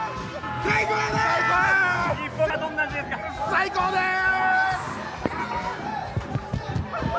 最高です！